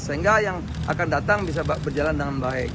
sehingga yang akan datang bisa berjalan dengan baik